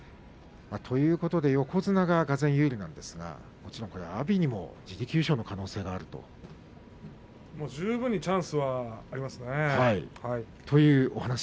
横綱が、がぜん有利ですが阿炎にも自力優勝の可能性が十分にチャンスはありますね。